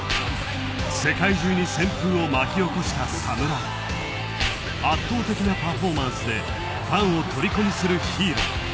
世界中に旋風を巻き起こした侍圧倒的なパフォーマンスでファンをとりこにするヒーロー。